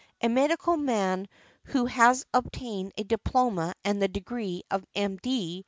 |133| A medical man, who had obtained a diploma and the degree of M.D.